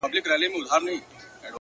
توري جامې ګه دي راوړي دي. نو وایې غونده.